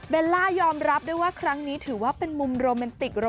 ล่ายอมรับด้วยว่าครั้งนี้ถือว่าเป็นมุมโรแมนติก